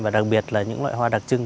và đặc biệt là những loại hoa đặc trưng